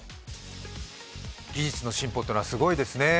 技術の進歩というのはすごいですね。